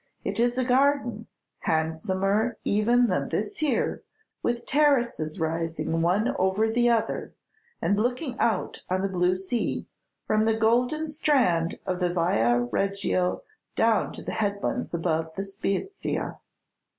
It is in a garden, handsomer even than this here, with terraces rising one over the other, and looking out on the blue sea, from the golden strand of Via Reggio down to the headlands above Spezia.